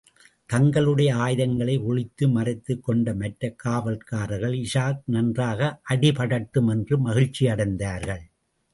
தங்களுடைய ஆயுதங்களை ஒளித்து மறைத்துக் கொண்ட மற்ற காவல்காரர்கள், இஷாக் நன்றாக அடிபடட்டும் என்று மகிழ்ச்சியடைந்தார்கள்.